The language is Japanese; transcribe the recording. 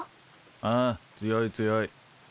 ああ強い強い。